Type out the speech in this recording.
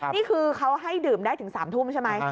นี่คือเขาให้ดื่มได้ถึง๓ทุ่มใช่ไหม